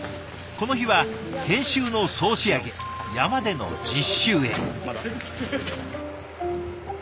この日は研修の総仕上げ山での実習へ。